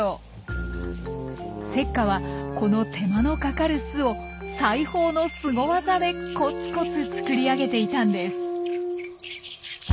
セッカはこの手間のかかる巣を裁縫のスゴ技でコツコツ作り上げていたんです。